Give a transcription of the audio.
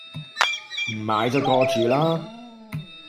唔買就過主啦